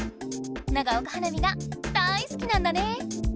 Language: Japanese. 長岡花火が大好きなんだね！